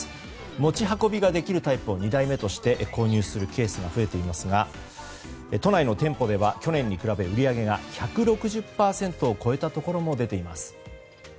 持ち運びができるタイプを２台目として購入するケースが増えていますが都内の店舗では、去年に比べ売り上げが１６０％を超えたところも出ています。